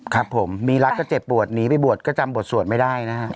ครับผมมีรักก็เจ็บปวดหนีไปบวชก็จำบทสวดไม่ได้นะฮะ